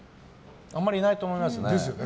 あまりいないと思います。